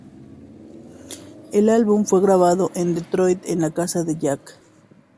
El álbum fue grabado en Detroit en la casa de Jack.